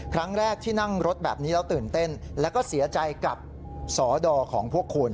ครั้งแรกที่นั่งรถแบบนี้แล้วตื่นเต้นแล้วก็เสียใจกับสอดอของพวกคุณ